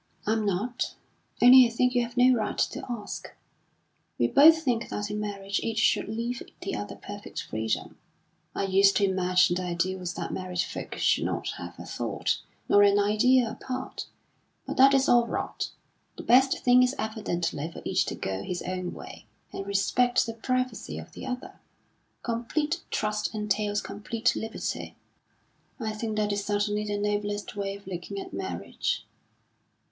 "I'm not; only I think you have no right to ask. We both think that in marriage each should leave the other perfect freedom. I used to imagine the ideal was that married folk should not have a thought, nor an idea apart; but that is all rot. The best thing is evidently for each to go his own way, and respect the privacy of the other. Complete trust entails complete liberty." "I think that is certainly the noblest way of looking at marriage."